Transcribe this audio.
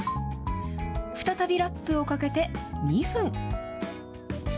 再びラップをかけて２分。